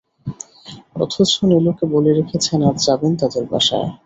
অথচ নীলুকে বলে রেখেছেন, আজ যাবেন তাদের বাসায়।